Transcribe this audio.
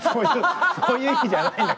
そういう意味じゃないんだ。